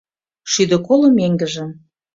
Шӱдӧ коло меҥгыжым